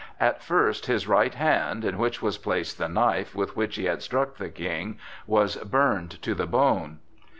At first his right hand, in which was placed the knife with which he had struck the King, was burned to the bone.